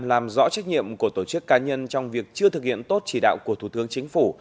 làm rõ trách nhiệm của tổ chức cá nhân trong việc chưa thực hiện tốt chỉ đạo của thủ tướng chính phủ